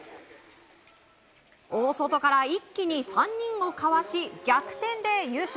大外から一気に３人をかわし逆転で優勝！